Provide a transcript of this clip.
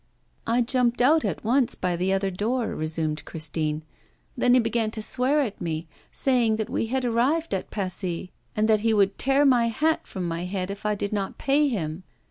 'I jumped out at once by the other door,' resumed Christine. 'Then he began to swear at me, saying that we had arrived at Passy, and that he would tear my hat from my head if I did not pay him.